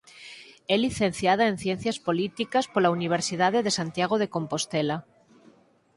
É licenciada en Ciencias Políticas pola Universidade de Santiago de Compostela.